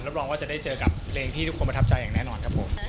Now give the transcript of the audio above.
รองว่าจะได้เจอกับเพลงที่ทุกคนประทับใจอย่างแน่นอนครับผม